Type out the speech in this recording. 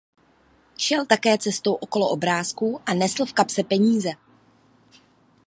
Šel také cestou okolo obrázku a nesl v kapse peníze.